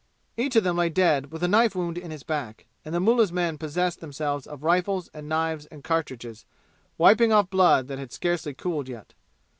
Each of them lay dead with a knife wound in his back, and the mullah's men possessed themselves of rifles and knives and cartridges, wiping off blood that had scarcely cooled yet.